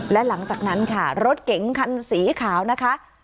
และหลังจากนั้นค่ะรถเก๋งคันสีขาวนะคะ